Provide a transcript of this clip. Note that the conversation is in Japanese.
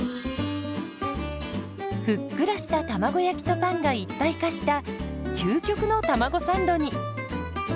ふっくらした卵焼きとパンが一体化した究極のたまごサンドに。